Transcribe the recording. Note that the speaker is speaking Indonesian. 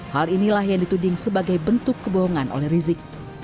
hal inilah yang dituding sebagai bentuk kebohongan oleh rizik